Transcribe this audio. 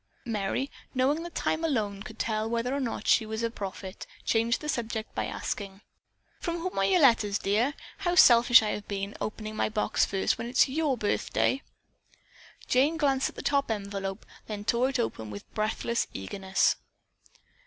Merry, knowing that time alone could tell whether or not she was a prophet, changed the subject by asking: "From whom are your letters, dear? How selfish I have been, opening my box first when it is your birthday." Jane glanced at the top envelope, then tore it open with breathless eagerness.